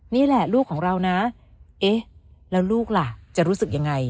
นี่แหละลูกของเรานะเอ๊ะแล้วลูกล่ะจะรู้สึกยังไง